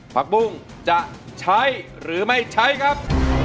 ปุ้งจะใช้หรือไม่ใช้ครับ